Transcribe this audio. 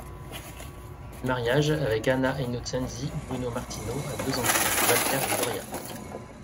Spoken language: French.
Du mariage avec Anna Innocenzi, Bruno Martino a deux enfants, Walter et Gloria.